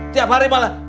tiap hari malah